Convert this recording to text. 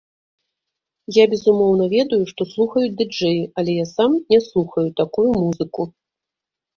Я безумоўна ведаю, што слухаюць ды-джэі, але я сам не слухаю такую музыку.